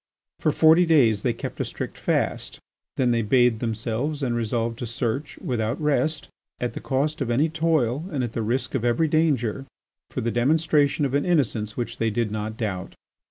For forty days they kept a strict fast. Then they bathed themselves and resolved to search, without rest, at the cost of any toil and at the risk of every danger, for the demonstration of an innocence which they did not doubt.